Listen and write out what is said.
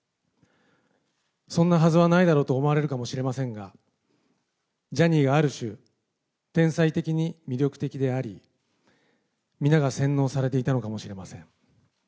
そんなはずはないだろうと思われるかもしれませんが、ジャニーがある種、天才的に魅力的であり、皆が洗脳されていたのかもしれません。